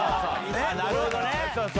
なるほどね。